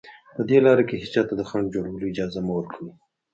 په دې لاره کې هېچا ته د خنډ جوړولو اجازه مه ورکوئ